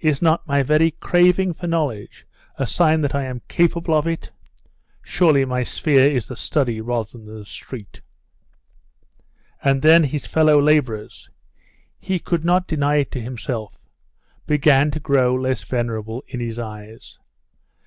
Is not my very craving for knowledge a sign that I am capable of it? Surely my sphere is the study rather than the street!' And then his fellow labourers he could not deny it to himself began to grow less venerable in his eyes.